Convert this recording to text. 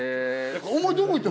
お前どこ行ったの？